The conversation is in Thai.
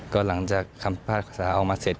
ก็หลังจากคำพิพากษาออกมาเสร็จ